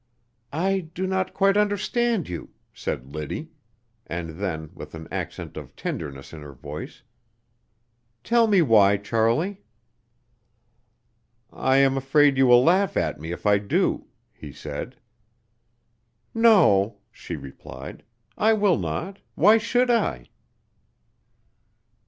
"I do not quite understand you," said Liddy; and then, with an accent of tenderness in her voice: "Tell me why, Charlie?" "I am afraid you will laugh at me if I do," he said. "No," she replied, "I will not; why should I?"